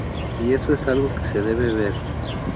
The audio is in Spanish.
Y eso es algo que se debe ver".